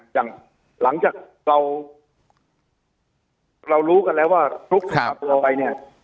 อย่างหลังจากเรารู้กันแล้วว่าฟลุ๊กจากบอกไปเนี่ย